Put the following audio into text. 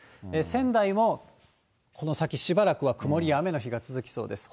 仙台もこの先、しばらくは曇りや雨の日が続きそうです。